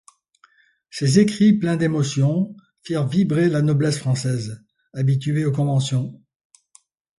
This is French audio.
Ces écrits plein d'émotion firent vibrer la noblesse française, habituée aux conventions.